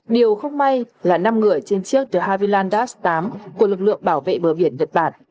điều không may là năm người trên chiếc the haviland dash tám của lực lượng bảo vệ bờ biển việt nam